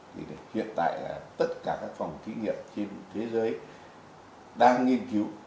thì hiện tại là tất cả các phòng thí nghiệm trên thế giới đang nghiên cứu